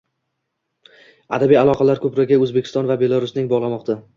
Adabiy aloqalar ko‘prigi O‘zbekiston va Belarusni bog‘lamoqdang